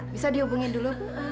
bisa dihubungin dulu bu